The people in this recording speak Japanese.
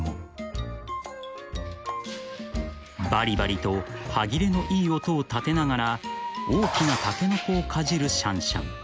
［バリバリと歯切れのいい音を立てながら大きなタケノコをかじるシャンシャン］